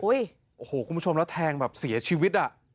โอ้โหคุณผู้ชมแล้วแทงแบบเสียชีวิตอ่ะ